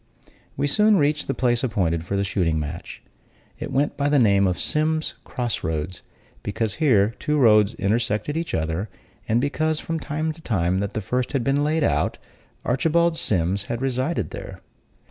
We soon reached the place appointed for the shooting match. It went by the name of Sims's Cross Roads, because here two roads intersected each other; and because, from the time that the first had been laid out, Archibald Sims had resided there.